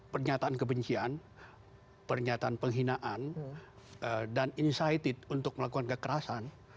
pernyataan kebencian pernyataan penghinaan dan insighted untuk melakukan kekerasan